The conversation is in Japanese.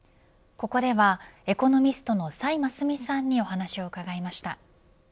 ここではエコノミストの崔真淑さんにお話を伺いました。